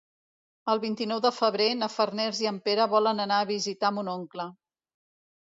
El vint-i-nou de febrer na Farners i en Pere volen anar a visitar mon oncle.